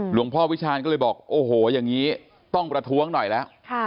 วิชาณก็เลยบอกโอ้โหอย่างนี้ต้องประท้วงหน่อยแล้ว